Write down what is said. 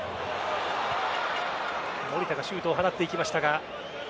守田がシュートを放っていきましたが。